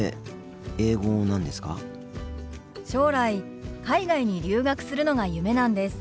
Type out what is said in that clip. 将来海外に留学するのが夢なんです。